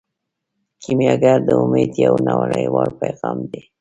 کیمیاګر د امید یو نړیوال پیغام دی.